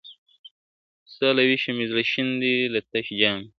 ستا له وېشه مي زړه شین دی له تش جامه ..